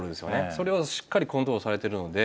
それをしっかりコントロールされてるので。